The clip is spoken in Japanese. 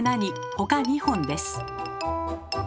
ほか２本です。